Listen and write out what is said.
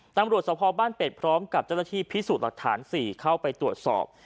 ตำรวจสภบ้านเป็ดพร้อมกับเจ้าหน้าที่พิสูจน์หลักฐาน๔เข้าไปตรวจสอบ